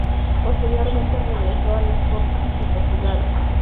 Posteriormente regresó al Sporting de Portugal.